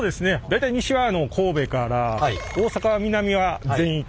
大体西は神戸から大阪は南は全域。